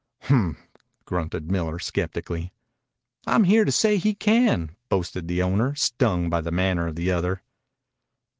"Hmp!" grunted Miller skeptically. "I'm here to say he can," boasted the owner, stung by the manner of the other.